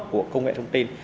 của công nghệ thông tin